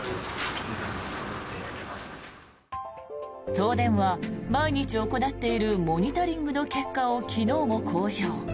東電は毎日行っているモニタリングの結果を昨日も公表。